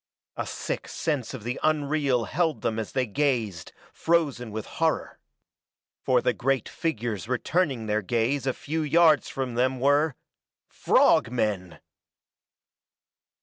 A sick sense of the unreal held them as they gazed, frozen with horror. For the great figures returning their gaze a few yards from them were frog men!